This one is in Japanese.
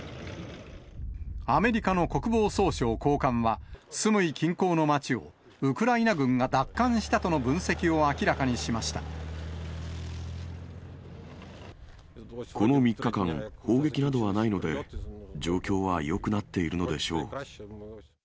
アメリカの国防総省高官は、スムイ近郊の街をウクライナ軍が奪還したとの分析を明らかにしまこの３日間、砲撃などはないので、状況はよくなっているのでしょう。